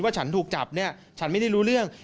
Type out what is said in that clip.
ว่าฉันถูกจับฉันไม่ได้รู้เรื่อง